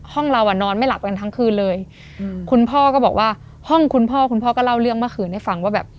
เราอ่ะนอนไม่หลับกันทั้งคืนเลยอืมคุณพ่อก็บอกว่าห้องคุณพ่อคุณพ่อก็เล่าเรื่องเมื่อคืนให้ฟังว่าแบบ